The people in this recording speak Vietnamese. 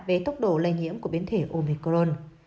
về tốc độ lây nhiễm của biến thể omicron